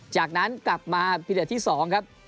จากนั้นกลับมาพิเดชที่๒ครับ